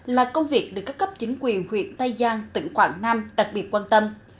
là công việc được các cấp chính quyền huyện tây giang tỉnh quảng nam đặc biệt quan tâm